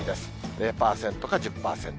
０％か１０％。